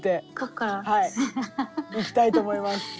いきたいと思います。